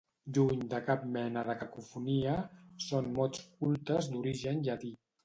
Lluny de cap mena de cacofonia, són mots cultes d'origen llatí.